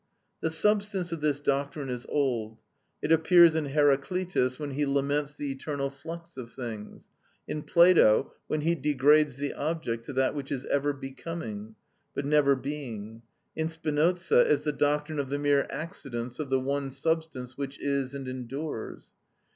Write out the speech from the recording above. The substance of this doctrine is old: it appears in Heraclitus when he laments the eternal flux of things; in Plato when he degrades the object to that which is ever becoming, but never being; in Spinoza as the doctrine of the mere accidents of the one substance which is and endures.